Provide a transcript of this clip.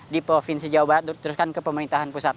di provinsi jawa barat teruskan ke pemerintahan pusat